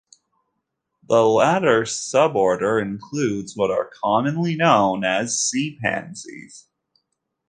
The latter suborder includes what are commonly known as sea pansies.